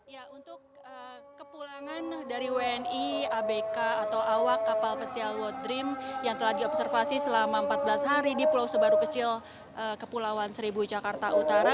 ya untuk kepulangan dari wni abk atau awak kapal pesial world dream yang telah diobservasi selama empat belas hari di pulau sebaru kecil kepulauan seribu jakarta utara